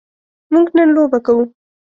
موږ نن لوبه کوو.